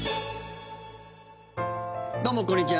どうもこんにちは。